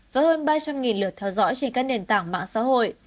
với hơn ba trăm linh lượt theo dõi trên các nền tảng mạng xã hội